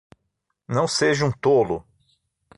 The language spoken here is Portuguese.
Não seja um tolo!